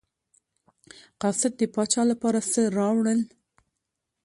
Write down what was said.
قاصد د پاچا لپاره څه راوړل.